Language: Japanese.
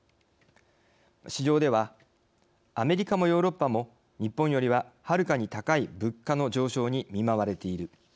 市場では「アメリカもヨーロッパも日本よりははるかに高い物価の上昇に見舞われている。